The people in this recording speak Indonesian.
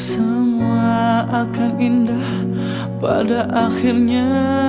semua akan indah pada akhirnya